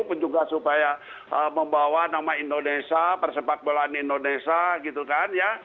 punjuklah supaya membawa nama indonesia persepak bola indonesia gitu kan ya